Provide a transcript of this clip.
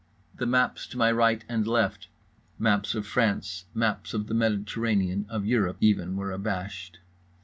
The maps to my right and left, maps of France, maps of the Mediterranean, of Europe, even, were abashed.